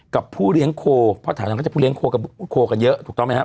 กับผู้เลี้ยงโครเยอะถูกต้องไหมฮะ